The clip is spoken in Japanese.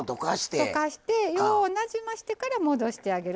溶かしてようなじましてから戻してあげる。